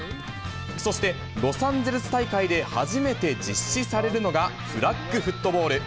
そして、ロサンゼルス大会で初めて実施されるのがフラッグフットボール。